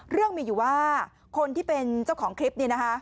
เรื่องมีอยู่ว่าคนที่เป็นเจ้าของคลิปนี้นะคะ